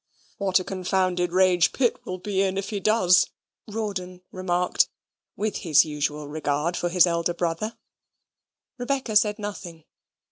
"What a confounded rage Pitt will be in if he does," Rawdon remarked, with his usual regard for his elder brother. Rebecca said nothing.